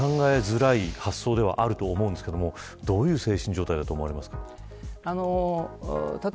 なかなか考えづらい発想ではあると思うんですけれどもどういう精神状態だと思われますか。